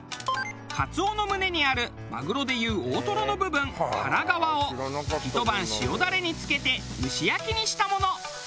カツオの胸にあるマグロでいう大トロの部分腹皮をひと晩塩ダレにつけて蒸し焼きにしたもの。